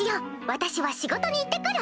私は仕事に行って来る。